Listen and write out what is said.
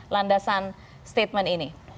landasan statement ini